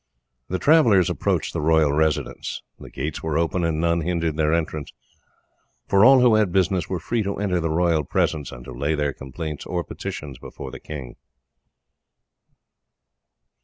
The travellers approached the royal residence. The gates were open, and none hindered their entrance, for all who had business were free to enter the royal presence and to lay their complaints or petitions before the king.